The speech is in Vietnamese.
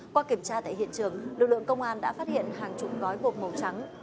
qua kiểm tra tại hiện trường lực lượng công an đã phát hiện hàng chục gói bột màu trắng